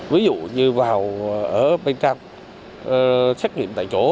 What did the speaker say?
ví dụ như vào ở bên trong xét nghiệm tại chỗ